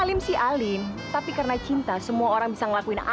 alim sih alim tapi karena cinta semua orang bisa ngelakuin apa aja